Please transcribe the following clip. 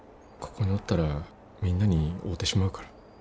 ここにおったらみんなに会うてしまうから。